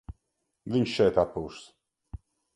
Viņš šeit atpūšas.